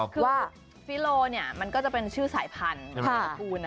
คือฟิโลเนี่ยมันก็จะเป็นชื่อสายพันธุ์